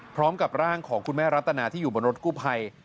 พร้อมกับร่างของคุณแม่รัตนาที่อยู่บนรถกู้ภัย